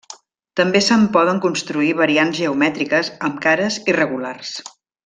També se'n poden construir variants geomètriques amb cares irregulars.